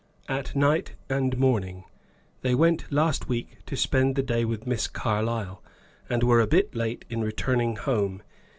"At night and morning. They went last week to spend the day with Miss Carlyle, and were a little late in returning home.